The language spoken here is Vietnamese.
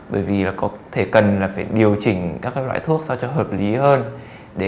bởi vì là có thể cần là phải điều chỉnh các loại thuốc sao cho hợp lý hơn để